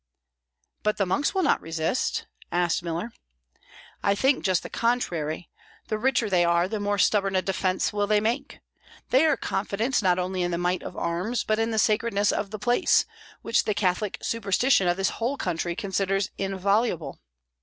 "But the monks will not resist?" asked Miller. "I think just the contrary. The richer they are, the more stubborn a defence will they make; they are confident not only in the might of arms, but in the sacredness of the place, which the Catholic superstition of this whole country considers inviolable.